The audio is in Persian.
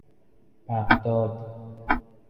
بغداد